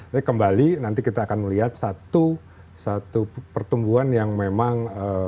tapi kembali nanti kita akan melihat satu pertumbuhan yang memang